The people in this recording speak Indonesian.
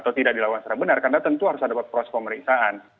atau tidak dilakukan secara benar karena tentu harus ada proses pemeriksaan